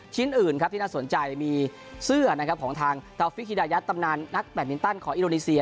ชิ้นอื่นที่น่าสนใจมีเสื้อของทางทาวฟิกฮิดายัตตำนานนักแบบมินตันของอิตโรนิเซีย